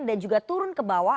dan juga turun ke bawah